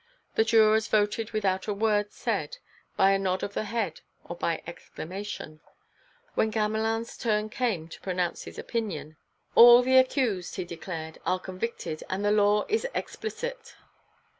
The jurors voted without a word said, by a nod of the head or by exclamation. When Gamelin's turn came to pronounce his opinion: "All the accused," he declared, "are convicted, and the law is explicit."